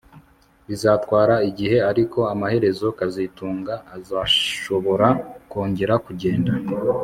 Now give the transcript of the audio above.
Bizatwara igihe ariko amaherezo kazitunga azashobora kongera kugenda